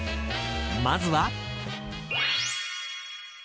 まずは。